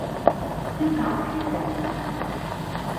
তুই কাঁপছিস কেন?